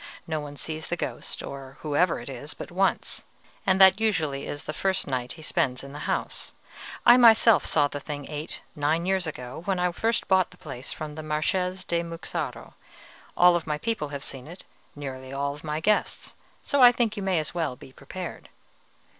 No one sees the ghost, or whatever it is, but once, and that usually the first night he spends in the house. I myself saw the thing eight nine years ago, when I first bought the place from the Marchese di Muxaro; all my people have seen it, nearly all my guests, so I think you may as well be prepared."